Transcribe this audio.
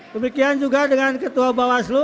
demikian juga dengan ketua bawaslu